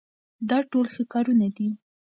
دا ټول ښه کارونه دي.